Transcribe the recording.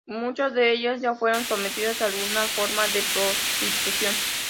Muchas de ellas ya fueron sometidas a alguna forma de prostitución.